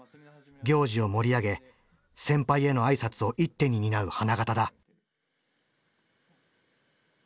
行事を盛り上げ先輩への挨拶を一手に担う花形だ。